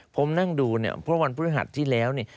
ผมนั่งดูเนี่ยเพราะวันพฤหัสที่แล้วเนี่ย